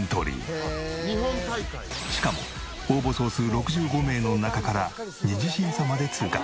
しかも応募総数６５名の中から２次審査まで通過。